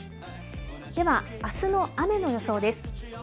ではあすの雨の予想です。